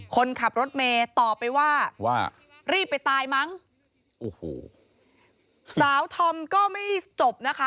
คนขับรถเมย์ตอบไปว่าว่ารีบไปตายมั้งโอ้โหสาวธอมก็ไม่จบนะคะ